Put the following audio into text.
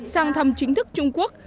sang thăm chính thức trung quốc